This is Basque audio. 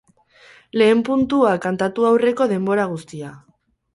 Lehen puntua kantatu aurreko denbora guztia.